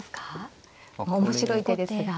面白い手ですが。